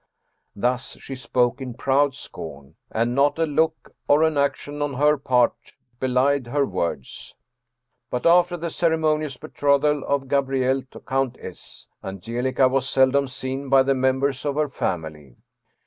Thus she spoke in proud scorn, and not a look or an action on her part belied her words. But after the ceremonious betrothal of Gabrielle to Count S., Angelica was seldom seen by the members of her family.